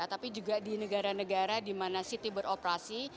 tapi juga di negara negara di mana city beroperasi